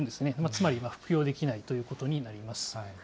つまり、服用できないということになります。